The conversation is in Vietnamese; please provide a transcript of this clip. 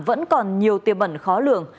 vẫn còn nhiều tiêu bẩn khó lường